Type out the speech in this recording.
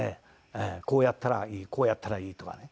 こうやったらいいこうやったらいいとかね。